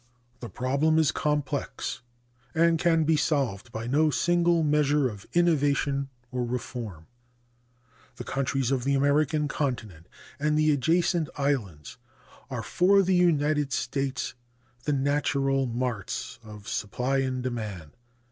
The problem is complex and can be solved by no single measure of innovation or reform. The countries of the American continent and the adjacent islands are for the United States the natural marts of supply and demand.